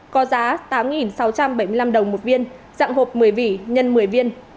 có giá tám sáu trăm bảy mươi năm đồng một viên dạng hộp một mươi vỉ x một mươi viên